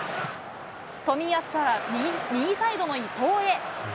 冨安から右サイドの伊東へ。